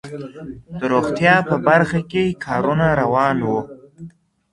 د روغتيا په برخه کي کارونه روان وو.